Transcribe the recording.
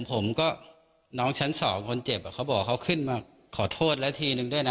ผมก็น้องชั้นสองคนเจ็บเขาบอกว่าเขาขึ้นมาขอโทษแล้วทีนึงด้วยนะ